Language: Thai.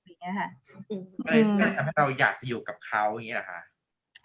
ก็เลยทำให้เราอยากจะอยู่กับเขาอย่างนี้หรอคะ